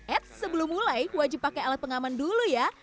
eits sebelum mulai wajib pakai alat pengaman dulu ya